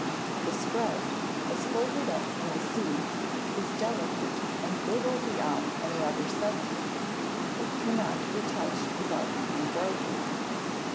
The sprout, as folded up in the seed, is delicate and brittle beyond any other substance. It cannot be touched without being broken.